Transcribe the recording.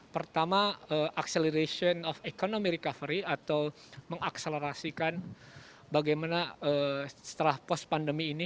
pertama acceleration of economy recovery atau mengakselerasikan bagaimana setelah pos pandemi ini